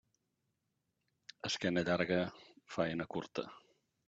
Esquena llarga, faena curta.